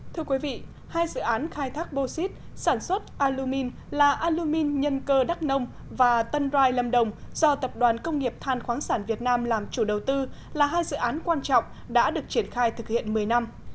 thưa quý vị hai dự án khai thác bô xít sản xuất alumin là alumin nhân cơ đắk nông và tân rai lâm đồng do tập đoàn công nghiệp than khoáng sản việt nam làm chủ đầu tư là hai dự án quan trọng đã được triển khai thực hiện một mươi năm